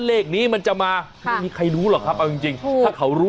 เลขนี้มันจะมาไม่มีใครรู้หรอกครับเอาจริงถ้าเขารู้